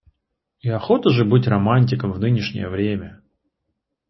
И охота же быть романтиком в нынешнее время!